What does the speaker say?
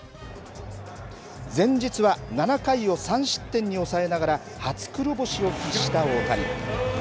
前日は７回を３失点に抑えながら初黒星を喫した大谷。